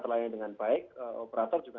terlayani dengan baik operator juga